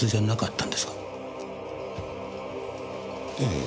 ええ。